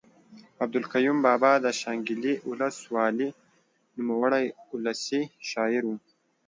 عبدالقیوم بابا د شانګلې اولس والۍ نوموړے اولسي شاعر ؤ